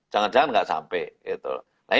jangan jangan nggak sampai